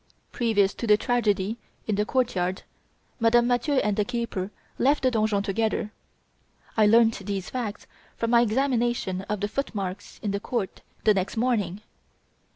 "Previous to the tragedy in the courtyard Madame Mathieu and the keeper left the donjon together. I learnt these facts from my examination of the footmarks in the court the next morning.